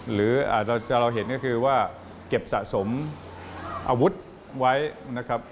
หรืออาจจะเราเห็นก็คือว่าเก็บสะสมอาวุธไว้นะครับ